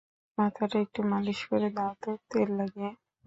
মাথাটা একটু মালিশ করে দেও তো, তেল লাগিয়ে।